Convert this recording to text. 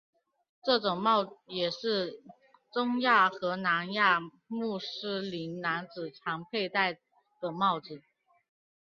这种帽也是中亚和南亚穆斯林男子常佩戴的帽子。